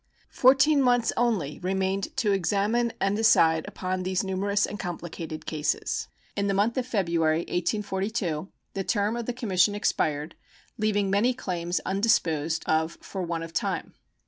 Fourteen months only remained to examine and decide upon these numerous and complicated cases. In the month of February, 1842, the term of the commission expired, leaving many claims undisposed of for want of time.